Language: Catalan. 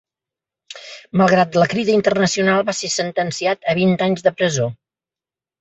Malgrat la crida internacional, va ser sentenciat a vint anys de presó.